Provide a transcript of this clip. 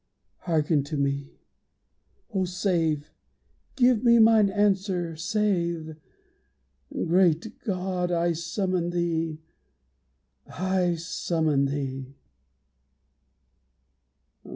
Hearken to me! Oh, save! Give me mine answer! Save! Great God, I summon Thee! I summon Thee!